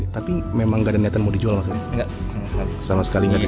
tapi memang nggak ada niatan mau dijual